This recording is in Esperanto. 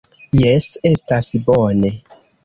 Jes, estas bone.